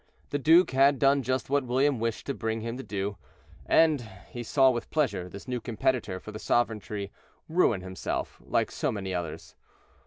The duke had done just what William wished to bring him to, and he saw with pleasure this new competitor for the sovereignty ruin himself, like so many others.